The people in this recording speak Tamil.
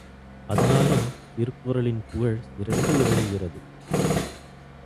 அதனாலும் திருக்குறளின் புகழ் சிறந்து விளங்குகிறது.